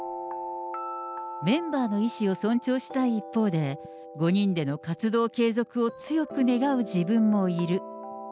メンバーの意志を尊重したい一方で、５人での活動継続を強く願う自分もいる。